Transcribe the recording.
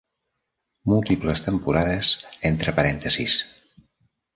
Múltiples temporades entre parèntesis.